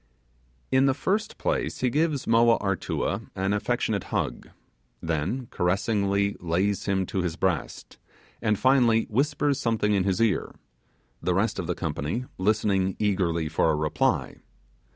In the first place he gives Moa Artua an affectionate hug, then caressingly lays him to his breast, and, finally, whispers something in his ear; the rest of the company listening eagerly for a reply.